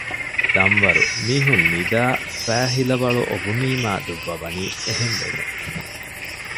ދަންވަރު މީހުން ނިދައި ފައިހިލަވަޅު އޮބުނީމާ ދުއްވަވަނީ އެހެން ވެގެން